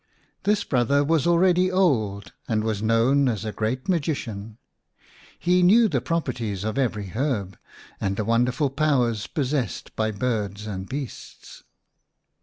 This brother was already old, and was known as a great magician ; he knew the properties of every herb, and the wonderful powers possessed by birds and beasts.